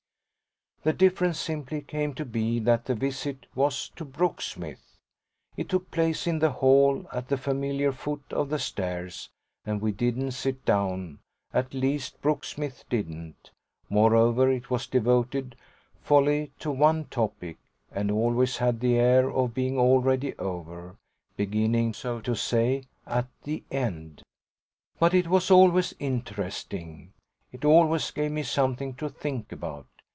The difference simply came to be that the visit was to Brooksmith. It took place in the hall, at the familiar foot of the stairs, and we didn't sit down, at least Brooksmith didn't; moreover it was devoted wholly to one topic and always had the air of being already over beginning, so to say, at the end. But it was always interesting it always gave me something to think about.